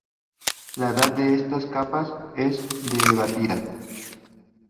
La edad de estas capas es debatida.